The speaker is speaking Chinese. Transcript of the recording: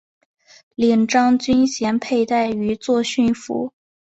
领章军衔佩戴于作训服。